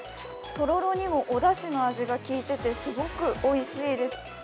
とろろにもおだしの味がきいててすごくおいしいです。